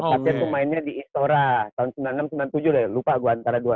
ketepatnya tuh mainnya di istora tahun sembilan puluh enam sembilan puluh tujuh deh lupa gue antara dua